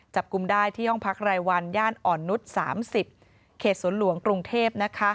จับกลุ่มได้ที่ห้องพักรายวันย่านอ่อนนุษย์๓๐เขตสวนหลวงกรุงเทพ